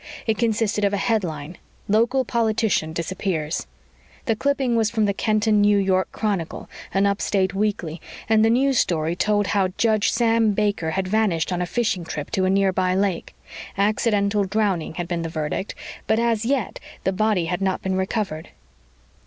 It consisted of a headline: LOCAL POLITICIAN DISAPPEARS The clipping was from the Kenton, New York, Chronicle, an upstate weekly, and the news story told how Judge Sam Baker had vanished on a fishing trip to a nearby lake. Accidental drowning had been the verdict but, as yet, the body had not been recovered.